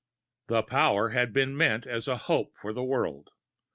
The power had been meant as a hope for the world.